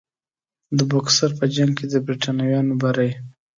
د بوکسر په جنګ کې د برټانویانو بری.